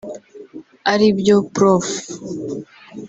ari byo Prof